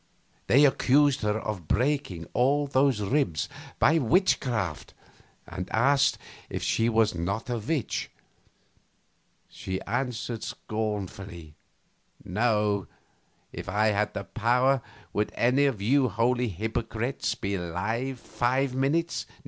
They accused her of breaking all those ribs by witchcraft, and asked her if she was not a witch? She answered scornfully: "No. If I had that power would any of you holy hypocrites be alive five minutes?